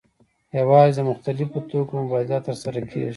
یوازې د مختلفو توکو مبادله ترسره کیږي.